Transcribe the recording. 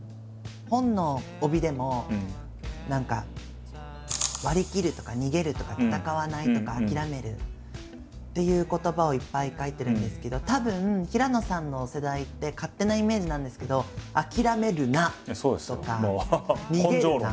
本の帯でも何か「割り切る」とか「逃げる」とか「戦わない」とか「諦める」っていう言葉をいっぱい書いてるんですけどたぶん平野さんの世代って勝手なイメージなんですけど「諦めるな」とか「逃げるな」。